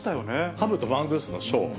ハブとマングースのショー。